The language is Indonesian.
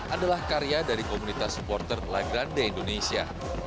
adalah karya dari komunitas supporter la grande indonesia